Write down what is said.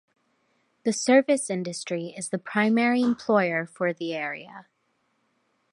The service industry is the primary employer for the area.